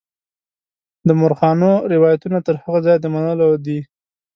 د مورخانو روایتونه تر هغه ځایه د منلو دي.